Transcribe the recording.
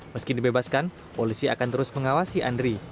meski dibebaskan polisi akan terus mengawasi andri